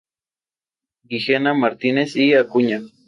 Sin embargo los episodios pueden seguir muchos temas.